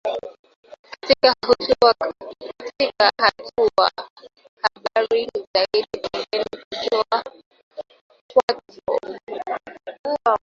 Katika hatua hatari zaidi pembe ya kwato hutengana na ukingo wa kwato